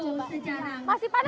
rasanya seperti rempah juga